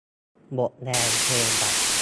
หมดแรงเคบับ